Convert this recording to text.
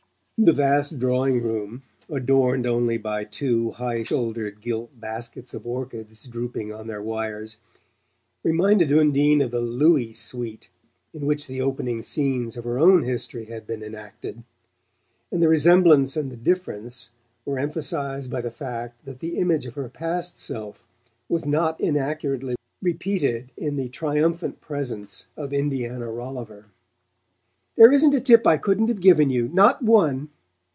The vast drawing room, adorned only by two high shouldered gilt baskets of orchids drooping on their wires, reminded Undine of the "Looey suite" in which the opening scenes of her own history had been enacted; and the resemblance and the difference were emphasized by the fact that the image of her past self was not inaccurately repeated in the triumphant presence of Indiana Rolliver. "There isn't a tip I couldn't have given you not one!"